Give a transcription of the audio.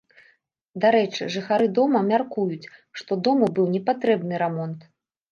Дарэчы, жыхары дома мяркуюць, што дому быў непатрэбны рамонт.